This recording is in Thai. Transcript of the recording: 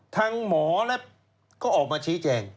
ทางหมอและก็ออกมาชี้แจง